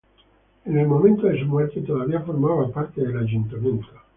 En el momento de su muerte todavía formaba parte del ayuntamiento.